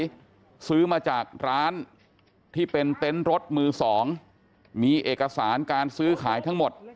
ซื้อมาจากร้านที่เป็นเต็นต์รถมือสองมีเอกสารการซื้อขายทั้งหมด